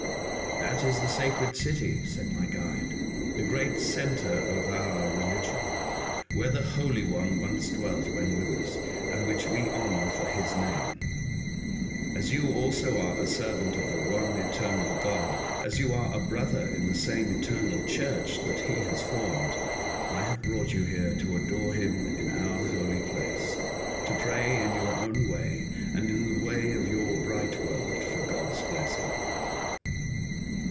'' That is the sacred city," said my guide, *' the great centre of our reHgion, where the Holy One once dwelt when with us, and which we honour for His name. As you also are a servant of the One Eternal God, as you are a brother in the same Eternal Church that He has formed, I have brought you here to adore Him in our holy place, to pray in your own way, and in the way of your bright world, for God's blessing."